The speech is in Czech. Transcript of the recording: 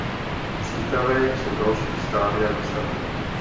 V přípravě jsou další stádia výstavby.